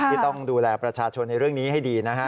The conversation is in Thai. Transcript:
ที่ต้องดูแลประชาชนในเรื่องนี้ให้ดีนะฮะ